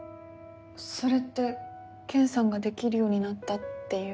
それってケンさんができるようになったっていう。